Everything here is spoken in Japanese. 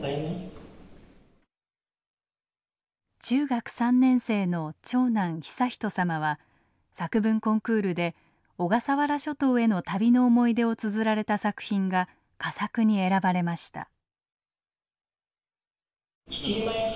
中学３年生の長男悠仁さまは作文コンクールで小笠原諸島への旅の思い出をつづられた作品が佳作に選ばれました。